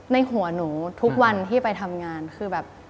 ในหัวหนูทุกวันที่ไปทำงานคือแบบ